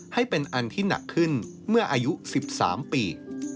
ให้เป็นอันที่หนักขึ้นเมื่ออายุ๑๓ปี